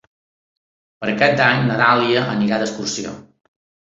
Per Cap d'Any na Dàlia anirà d'excursió.